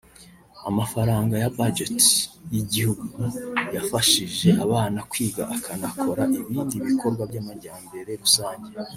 Amafaranga ya budget y’iguhugu yagafashije abana kwiga akanakora ibindi bikorwa by’amajyambere rusange